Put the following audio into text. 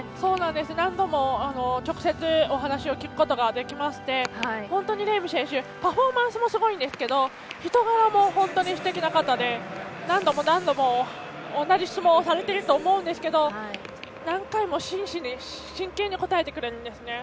何度も直接お話を聞くことができまして本当にレーム選手パフォーマンスもすごいんですけど人柄も本当にすてきな方で何度も何度も同じ質問をされていると思うんですけど何回も真摯に真剣に答えてくれるんですね。